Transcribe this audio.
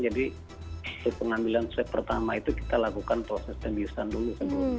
jadi untuk pengambilan swab pertama itu kita lakukan proses tembiusan dulu